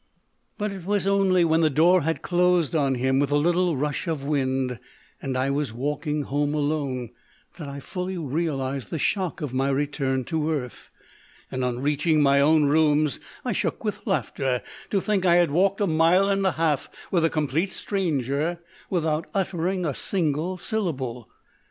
But it was only when the door had closed on him with a little rush of wind, and I was walking home alone, that I fully realised the shock of my return to earth ; and on reaching my own rooms I shook with laughter to think I had walked a mile and a half with a complete stranger without uttering a single syllable.